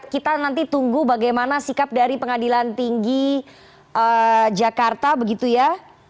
kita nanti tunggu bagaimana sikap dari pengadilan tinggi jakarta begitu ya